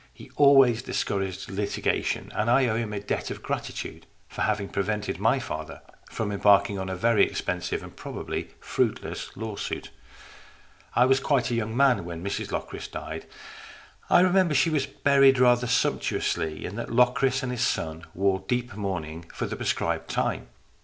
He always discouraged litigation, and I owe him a debt of gratitude for having prevented my father from embarking on a very expensive and probably fruitless lawsuit. I was quite a young man when Mrs Locris died. I remember she was buried rather sumptuously, and that Locris and his son wore deep mourning for the prescribed time.